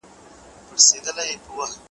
د غليم په بنګلو کي `